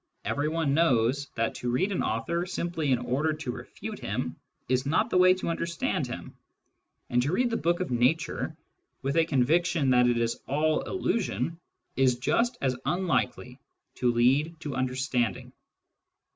Everyone knows that to read an author simply in order to refute him is not the way to understand him ; and to read the book of Nature with a conviction that it is all illusion is just as unlikely to lead to under standing.